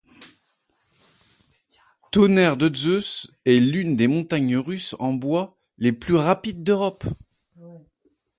Tonnerre de Zeus est l'une des montagnes russes en bois les plus rapides d'Europe.